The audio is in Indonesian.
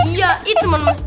ya itu menurutku